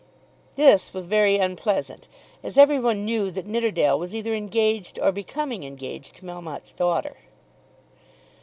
This was very unpleasant, as every one knew that Nidderdale was either engaged or becoming engaged to Melmotte's daughter.